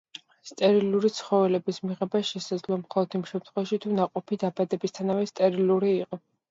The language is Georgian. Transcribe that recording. სტერილური ცხოველების მიღება შესაძლოა მხოლოდ იმ შემთხვევაში, თუ ნაყოფი დაბადებამდე სტერილური იყო.